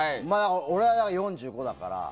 俺は４５だから。